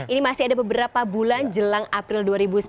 ini masih ada beberapa bulan jelang april dua ribu sembilan belas